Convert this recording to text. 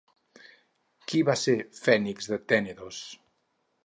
Qui va ser Fènix de Tènedos?